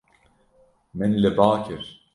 Min li ba kir.